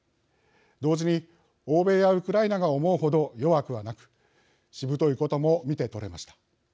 同時に欧米やウクライナが思うほど弱くはなくしぶといことも見て取れました。